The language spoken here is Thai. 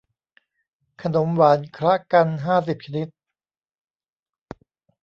ขนมหวานคละกันห้าสิบชนิด